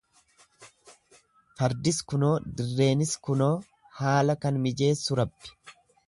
Fardis kunoo dirreenis kunoo haala kan mijeessu rabbi.